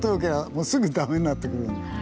もうすぐダメになってくる。